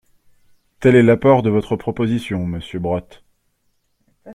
Tel est l’apport de votre proposition, monsieur Brottes.